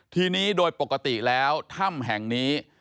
ทีนี้โดยปกติแล้วถ้ำแห่งนี้